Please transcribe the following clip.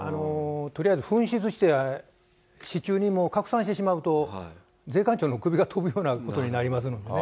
とりあえず紛失して、市中に拡散してしまうと、税関長の首が飛ぶようなことになりますんでね。